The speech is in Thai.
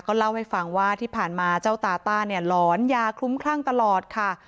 เล่าให้ฟังว่าที่ผ่านมาเจ้าตาต้าเนี่ยหลอนยาคลุ้มคลั่งตลอดค่ะ